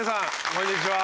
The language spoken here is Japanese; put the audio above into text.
こんにちは。